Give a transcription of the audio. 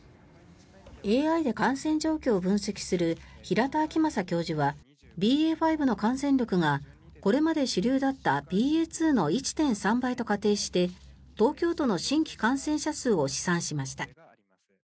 ＡＩで感染状況を分析する平田晃正教授はＢＡ．５の感染力がこれまで主流だったＢＡ．２の１．３倍と仮定して東京都の新規感染者数を試算しました。